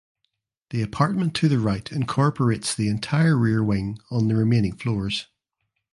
The apartment to the right incorporates the entire rear wing on the remaining floors.